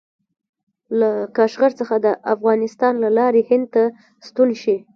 له کاشغر څخه د افغانستان له لارې هند ته ستون شي.